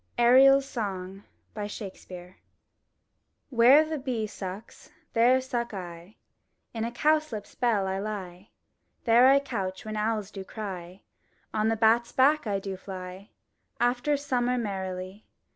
'* ARIEL'S SONG William Shakespeare Where the bee sucks, there' suck I; / ^^^^^S^ In a cowslip's bell I lie; \//^;>^—^^ There I couch when owls do crv — On the bat's back I do fly After summer merrily.